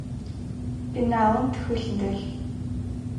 Пеналым тхылъ дэлъ.